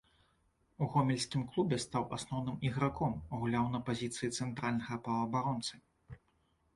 У гомельскім клубе стаў асноўным іграком, гуляў на пазіцыі цэнтральнага паўабаронцы.